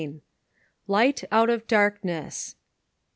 LIGHT OUT OF DARKNESS.